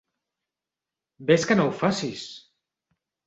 Ves que no ho facis!